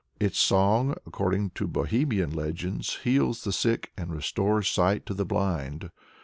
Its song, according to Bohemian legends, heals the sick and restores sight to the blind.